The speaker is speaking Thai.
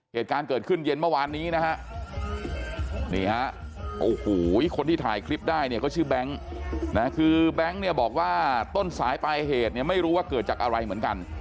เหตุการณ์เกิดขึ้นเย็นเมื่อวานนี้นะฮะนี่ฮะโอ้โหคนที่ถ่ายคลิปได้เนี่ยก็ชื่อแบงค์นะคือแบงค์เนี่ยบอกว่าต้นสายปลายเหตุเนี่ยไม่รู้ว่าเกิดจากอะไรเหมือนกัน